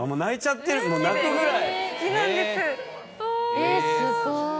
えっすごい。